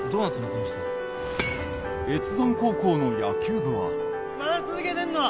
この人越山高校の野球部は・まだ続けてんの？